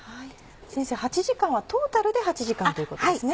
先生８時間はトータルで８時間ということですね？